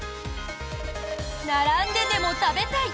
並んででも食べたい！